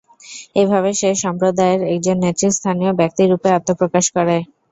এভাবে সে সম্প্রদায়ের একজন নেতৃস্থানীয় ব্যক্তিরূপে আত্মপ্রকাশ করে।